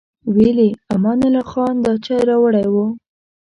ویل یې امان الله خان دا چای راوړی و.